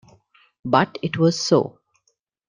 But it was so.